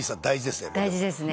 大事ですね。